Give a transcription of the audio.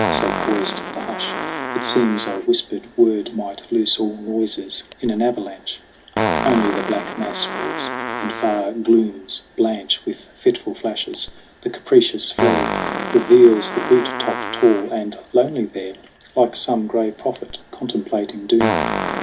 So poised the hush, it seems a whispered word Might loose all noises in an avalanche. Only the black mass moves, and far glooms blanch With fitful flashes. The capricious flare Reveals the butte top tall and lonely there Like some gray prophet contemplating doom.